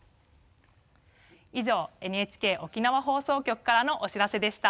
以上、ＮＨＫ沖縄放送局からのお知らせでした。